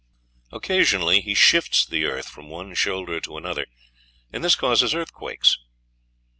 Occasionally be shifts the earth from one shoulder to another, and this causes earthquakes!